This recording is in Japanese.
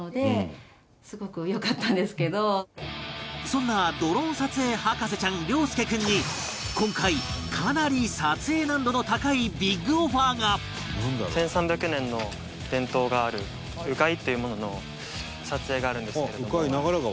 そんなドローン撮影博士ちゃん諒祐君に今回かなり撮影難度の高いビッグオファーが！っていうものの撮影があるんですけれども。